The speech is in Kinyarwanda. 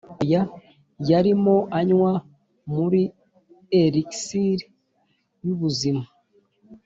oya; yarimo anywa muri elixir yubuzima